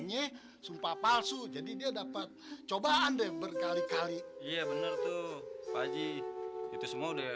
nyeh sumpah palsu jadi dia dapat cobaan deh berkali kali iya bener tuh paji itu semua udah